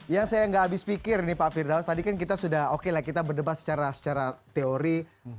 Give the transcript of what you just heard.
yang saya nggak habis pikir ini pak firdaus tadi kan kita sudah oke lah kita berdebat secara teori